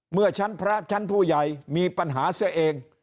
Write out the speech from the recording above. เมื่อชั้นพระชั้นผู้ใหญ่มีปัญหาเสียเอง